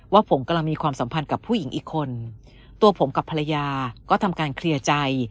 ว่าผมกำลังมีความสัมพันธ์กับผู้หญิงอีกคนตัวผมกับภรรยาก็ทำการเคลียร์ใจ